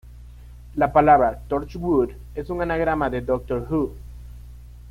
La palabra "Torchwood" es un anagrama de "Doctor Who".